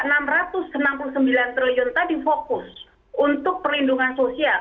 rp enam ratus enam puluh sembilan triliun tadi fokus untuk perlindungan sosial